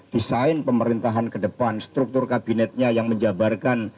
desain pemerintahan kedepan struktur kabinetnya yang menjabarkan